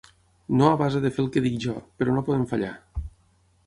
No a base de fer el què dic jo, però no podem fallar.